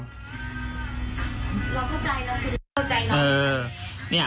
เราเข้าใจแล้ว